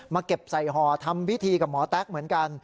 เก็บใส่ห่อทำพิธีกับหมอแต๊กเหมือนกัน